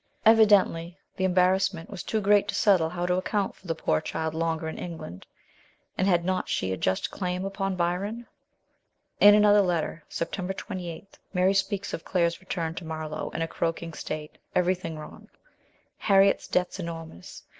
Evidently the em barrassment was too great to settle how to account for the poor child longer in England ; and had not she a just claim upon Byron ? In another letter, September 28, Mary speaks of Claires return to Marlow in a croaking state every thing wrong ; Harriet's debts enormous.